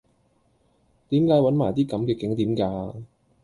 點解搵埋啲咁既景點嫁